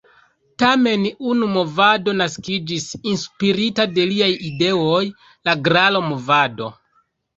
Tamen unu movado naskiĝis inspirita de liaj ideoj: la "Gralo-movado".